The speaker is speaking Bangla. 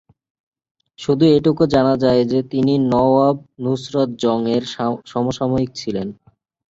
শুধু এটুকু জানা যায় যে, তিনি নওয়াব নুসরত জং-এর সমসাময়িক ছিলেন।